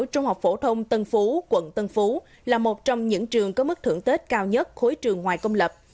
trung học phổ thông tân phú quận tân phú là một trong những trường có mức thưởng tết cao nhất khối trường ngoài công lập